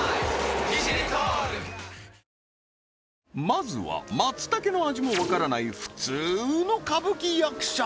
まずは松茸の味もわからない普通の歌舞伎役者